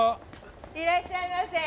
いらっしゃいませ！